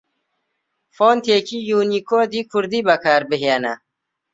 فۆنتێکی یوونیکۆدی کوردی بەکاربهێنە